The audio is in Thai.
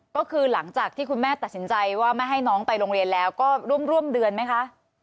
ก็คือหลังจากที่คุณแม่ตัดสินใจว่าไม่ให้น้องไปโรงเรียนแล้วก็ร่วมเดือนไหมคะ